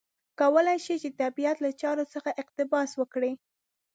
کولای شي چې د طبیعت له چارو څخه اقتباس وکړي.